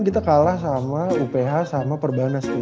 kita kalah sama uph sama perbanas